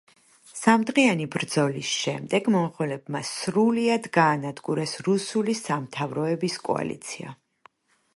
სამდღიანი ბრძოლის შემდეგ მონღოლებმა სრულიად გაანადგურეს რუსული სამთავროების კოალიცია.